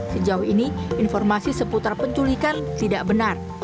sejauh ini informasi seputar penculikan tidak benar